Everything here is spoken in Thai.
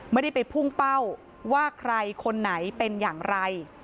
ไม่ได้ไปพุ่งเป้าว่าใครคนไหนเป็นอย่างไร